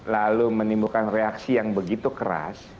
lalu menimbulkan reaksi yang begitu keras